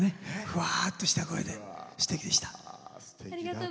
ふわっとした声ですてきでした。